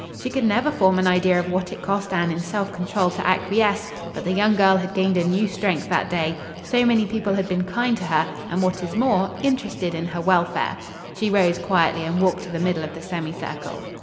She could never form an idea of what it cost Anne in self control to acquiesce; but the young girl had gained a new strength that day. So many people had been kind to her, and what is more, interested in her welfare. She rose quietly and walked to the middle of the semicircle.